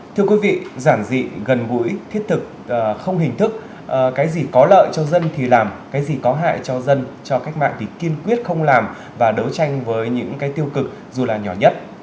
thưa quý vị giản dị gần gũi thiết thực không hình thức cái gì có lợi cho dân thì làm cái gì có hại cho dân cho cách mạng thì kiên quyết không làm và đấu tranh với những cái tiêu cực dù là nhỏ nhất